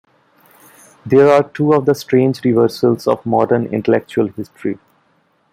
These are two of the 'strange reversals' of modern intellectual history.